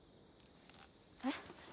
えっ？